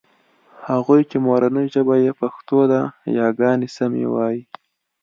هغوی چې مورنۍ ژبه يې پښتو ده یاګانې سمې وايي